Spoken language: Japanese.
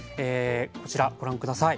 こちらご覧下さい。